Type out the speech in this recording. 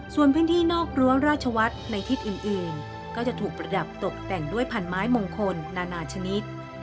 ส่วนพื้นที่นอกรั้วราชวัฒน์ในทิศอื่นก็จะถูกประดับตกแต่งด้วยพันไม้มงคลนานาชนิด